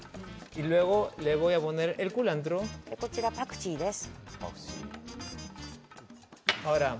こちら、パクチーです。